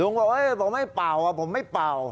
บอกผมไม่เป่าผมไม่เป่า